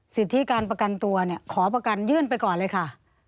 สิทธิการประกันตัวเนี่ยขอประกันยื่นไปก่อนเลยค่ะ